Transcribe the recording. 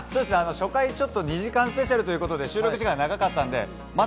初回２時間スペシャルということで、収録時間が長かったのでまだ